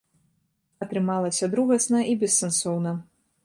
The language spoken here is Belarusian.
Атрымалася другасна і бессэнсоўна.